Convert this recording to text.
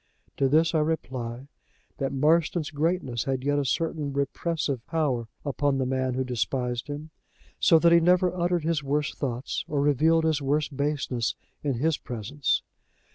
To this I reply that Marston's greatness had yet a certain repressive power upon the man who despised him, so that he never uttered his worst thoughts or revealed his worst basenesses in his presence.